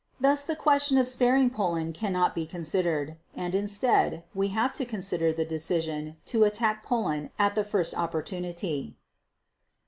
Thus the question of sparing Poland cannot be considered, and, instead, we have to consider the decision to attack Poland at the first opportunity."